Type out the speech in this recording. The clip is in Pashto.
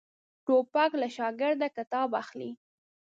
توپک له شاګرده کتاب اخلي.